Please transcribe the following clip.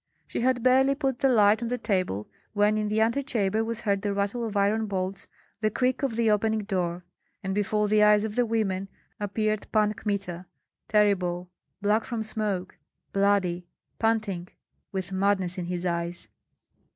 She had barely put the light on the table when in the antechamber was heard the rattle of iron bolts, the creak of the opening door; and before the eyes of the women appeared Pan Kmita, terrible, black from smoke, bloody, panting, with madness in his eyes.